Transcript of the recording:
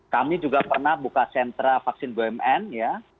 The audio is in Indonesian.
kami juga pernah buka sentra vaksin bumn ya